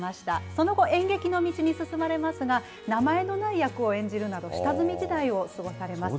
その後、演劇の道に進まれますが、名前のない役を演じるなど、下積み時代を過ごされます。